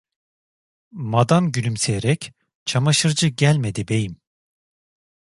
Madam gülümseyerek: "Çamaşırcı gelmedi beyim!"